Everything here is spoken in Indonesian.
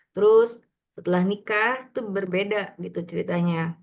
terus setelah menikah itu berbeda gitu cerita